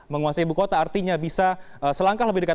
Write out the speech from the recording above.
menguasai ibu kota artinya bisa selangkah lebih dekat